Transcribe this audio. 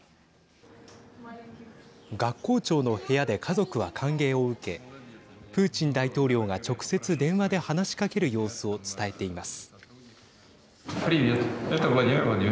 学校長の部屋で家族は歓迎を受けプーチン大統領が直接電話で話しかける様子を伝えています。